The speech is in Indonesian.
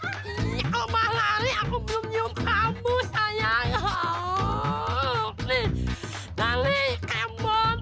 kamu lari aku belum nyum kamu sayang